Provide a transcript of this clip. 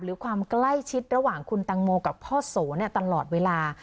หรือความใกล้ชิดระหว่างคุณตังโมกับพ่อโสตลอดเวลา